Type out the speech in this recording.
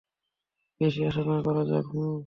বেশি আশা না করা যাক, হুম?